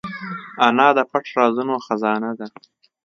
انا د پټ رازونو خزانه ده